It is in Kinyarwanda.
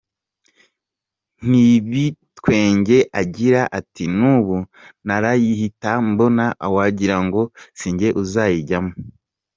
N’ibitwenge agira ati “N’ubu ntarayitaha mbona wagira ngo sinjye uzayijyamo.